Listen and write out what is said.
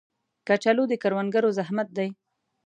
کچالو د کروندګرو زحمت دی